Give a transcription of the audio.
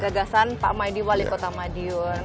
gagasan pak maydiwali kota madiun